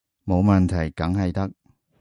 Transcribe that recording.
冇問題，梗係得